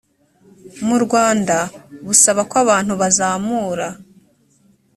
mu rwanda busaba ko abantu bazamura